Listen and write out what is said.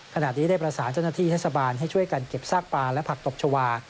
ขณะนี้ได้ประสานเจ้าหน้าที่เทศบาลให้ช่วยกันเก็บซากปลาและผักตบชาวา